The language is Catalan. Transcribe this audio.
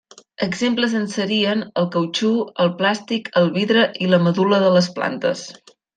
Exemples en serien el cautxú, el plàstic, el vidre i la medul·la de les plantes.